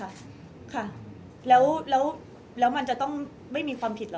ข้ามใช่ไหมคะค่ะแล้วแล้วแล้วมันจะต้องไม่มีความผิดเหรอคะ